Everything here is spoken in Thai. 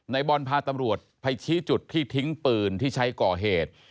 บอลพาตำรวจไปชี้จุดที่ทิ้งปืนที่ใช้ก่อเหตุ